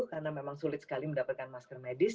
karena memang sulit sekali mendapatkan masker medis